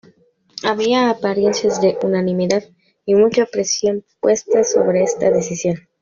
Había apariencias de unanimidad y mucha presión puesta sobre esta decisión.